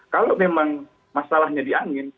kalau memang masalahnya di angin